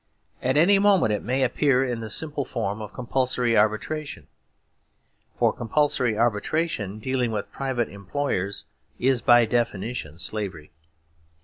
At any moment it may appear in the simple form of compulsory arbitration; for compulsory arbitration dealing with private employers is by definition slavery.